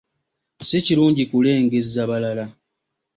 Si kirungi kulengezza balala.